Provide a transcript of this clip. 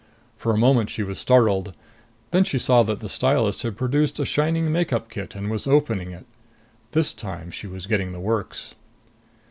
For a moment she was startled. Then she saw that the stylist had produced a shining make up kit and was opening it. This time she was getting the works....